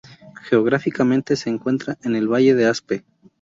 Geográficamente se encuentra en el valle de Aspe.